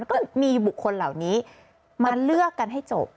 ก็มีบุคคลเหล่านี้มาเลือกกันให้จบ